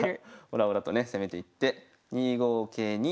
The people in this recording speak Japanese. オラオラとね攻めていって２五桂に。